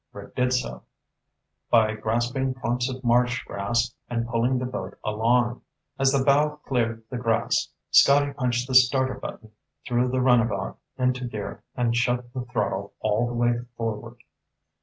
Rick did so, by grasping clumps of marsh grass and pulling the boat along. As the bow cleared the grass, Scotty punched the starter button, threw the runabout into gear, and shoved the throttle all the way forward.